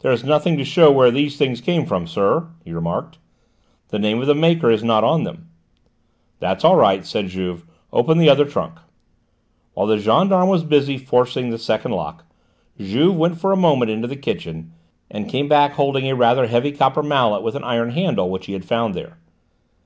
"There is nothing to show where these things came from, sir," he remarked. "The name of the maker is not on them." "That's all right," said Juve. "Open the other trunk." While the gendarme was busy forcing this second lock Juve went for a moment into the kitchen and came back holding a rather heavy copper mallet with an iron handle, which he had found there.